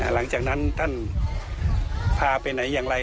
หลังจากนั้นท่านพาไปไหนอย่างไร